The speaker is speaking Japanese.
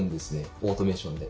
オートメーションで。